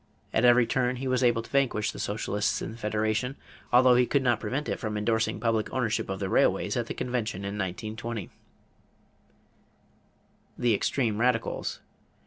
At every turn he was able to vanquish the socialists in the Federation, although he could not prevent it from endorsing public ownership of the railways at the convention of 1920. =The Extreme Radicals.